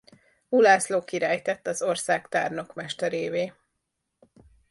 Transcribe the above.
Ulászló király tett az ország tárnokmesterévé.